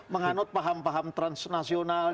menganut paham paham transnasionalnya